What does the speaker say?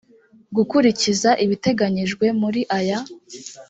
gikurikiza ibiteganyijwe muri aya